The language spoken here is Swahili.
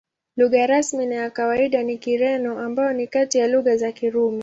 Lugha rasmi na ya kawaida ni Kireno, ambayo ni kati ya lugha za Kirumi.